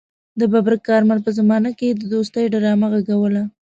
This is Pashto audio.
د ببرک کارمل په زمانه کې يې د دوستۍ ډرامه غږوله.